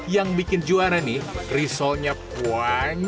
yang bikin juara nih risolnya puan